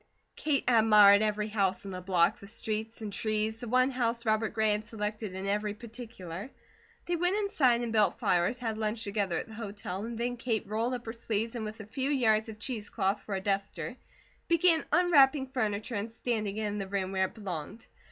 Kate admired every house in the block, the streets and trees, the one house Robert Gray had selected in every particular. They went inside and built fires, had lunch together at the hotel, and then Kate rolled up her sleeves and with a few yards of cheese cloth for a duster, began unwrapping furniture and standing it in the room where it belonged.